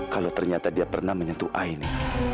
kalau ternyata dia benar benar takut pada zahira